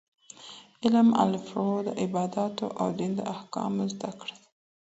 علم الفروع د عباداتو او دين د احکامو زده کړه ده.